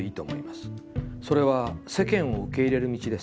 それは『世間』を受け入れる道です。